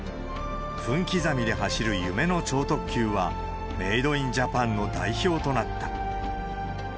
分刻みで走る夢の超特急は、メードインジャパンの代表となった。